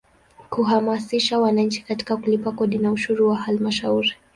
Kuhamasisha wananchi katika kulipa kodi na ushuru wa Halmashauri.